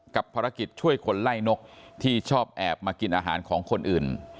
ภารกิจช่วยคนไล่นกที่ชอบแอบมากินอาหารของคนอื่น